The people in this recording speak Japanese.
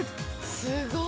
「すごい！」